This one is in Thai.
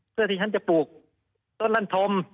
เหมือนที่ฉันจะปลูกต้นลำพร่ม